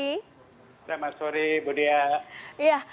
selamat sore budia